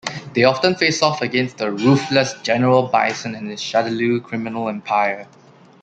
They often face off against the ruthless General Bison and his Shadaloo criminal empire.